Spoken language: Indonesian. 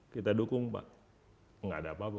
kita dukung pak nggak ada apa apa